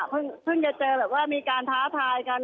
เพิ่งเรียนจะเจอว่ามีการท้าทายกัน